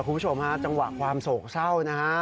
ครูประชวมฮาจังหวะความโศกเศร้านะฮะ